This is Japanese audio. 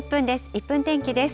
１分天気です。